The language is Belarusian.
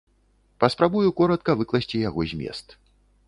Паспрабую коратка выкласці яго змест.